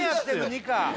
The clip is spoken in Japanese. ニカ！